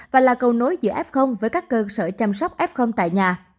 và là cầu nối giữa f với các cơ sở chăm sóc f tại nhà